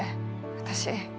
私。